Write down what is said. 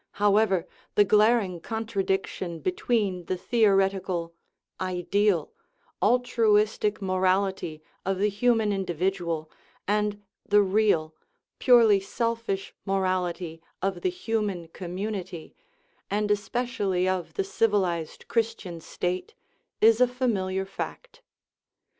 However, the glaring contradiction between the theoretical, ideal, altruistic morality of the human individual and the real, purely selfish morality of the human community, and especially of the civilized Christian state, is a fa miliar fact.